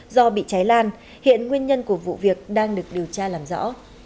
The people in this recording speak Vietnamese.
do bị cháy lan hiện nguyên nhân của vụ việc đang được điều tra làm rõ